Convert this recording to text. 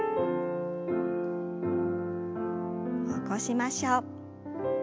起こしましょう。